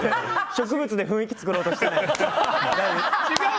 植物で雰囲気作ろうとしてないです。